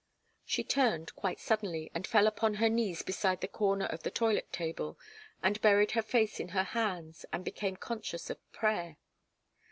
She turned, quite suddenly, and fell upon her knees beside the corner of the toilet table, and buried her face in her hands and became conscious of prayer.